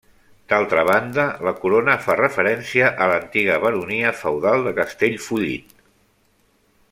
D'altra banda, la corona fa referència a l'antiga baronia feudal de Castellfollit.